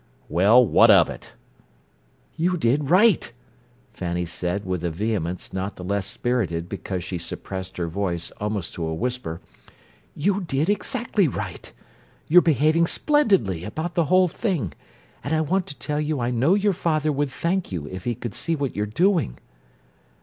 "Well, what of it?" "You did right!" Fanny said with a vehemence not the less spirited because she suppressed her voice almost to a whisper. "You did exactly right! You're behaving splendidly about the whole thing, and I want to tell you I know your father would thank you if he could see what you're doing."